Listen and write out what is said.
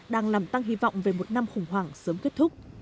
đang làm tăng hy vọng về một năm khủng hoảng sớm kết thúc